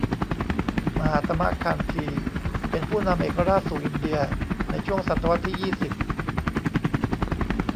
มหาตมะคานธี เป็นผู้นำเอกราชสู่อินเดียในช่วงศตวรรษที่ยี่สิบ